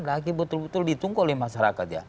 lagi betul betul ditunggu oleh masyarakat ya